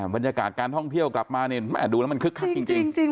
บรรยากาศการท่องเที่ยวกลับมาเนี่ยแม่ดูแล้วมันคึกคักจริง